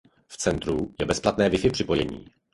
V centru je bezplatné wifi připojení.